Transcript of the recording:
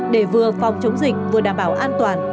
để vừa phòng chống dịch vừa đảm bảo an toàn